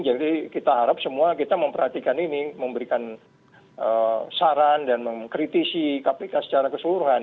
jadi kita harap semua kita memperhatikan ini memberikan saran dan mengkritisi kpk secara keseluruhan